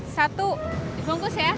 satu dibungkus ya